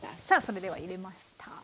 さあそれでは入れました。